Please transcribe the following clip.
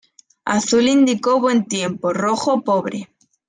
Azul indicó buen tiempo, rojo pobre.